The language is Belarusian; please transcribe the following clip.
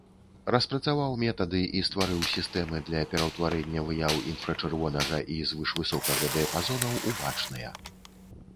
Распрацаваў метады і стварыў сістэмы для пераўтварэння выяў інфрачырвонага і звышвысокага дыяпазонаў ў бачныя.